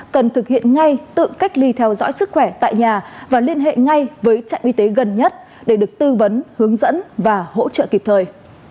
cần thực hiện ngay tự cách ly theo dõi sức khỏe tại nhà và liên hệ ngay với trạm y tế gần nhất để được tư vấn hướng dẫn và hỗ trợ kịp thời